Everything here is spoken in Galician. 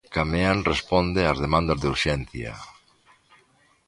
Cameán responde as demandas de urxencia.